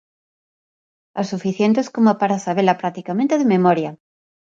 As suficientes como para sabela practicamente de memoria.